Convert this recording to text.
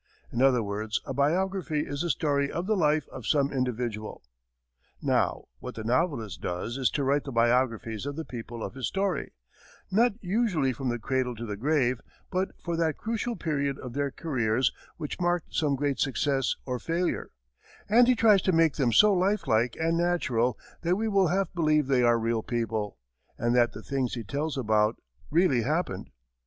In other words, a biography is the story of the life of some individual. Now what the novelist does is to write the biographies of the people of his story; not usually from the cradle to the grave, but for that crucial period of their careers which marked some great success or failure; and he tries to make them so life like and natural that we will half believe they are real people, and that the things he tells about really happened.